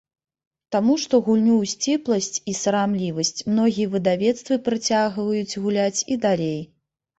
Таму што гульню ў сціпласць і сарамлівасць многія выдавецтвы працягваюць гуляць і далей.